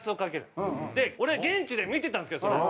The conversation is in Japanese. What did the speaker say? で俺現地で見てたんですけどそれ。